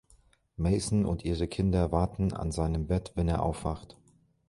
Mason und ihre Kinder warten an seinem Bett wenn er aufwacht.